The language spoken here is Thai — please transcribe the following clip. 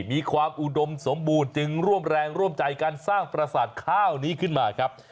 มีความอุดมสมบูรณ์จึงร่วมแรงร่วมใจการสร้างประสาทข้าวนี้ขึ้นมาครับ